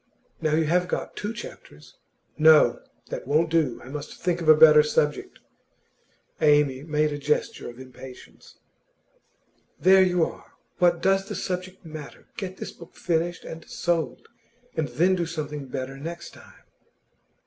Now you have got two chapters ' 'No; that won't do. I must think of a better subject.' Amy made a gesture of impatience. 'There you are! What does the subject matter? Get this book finished and sold, and then do something better next time.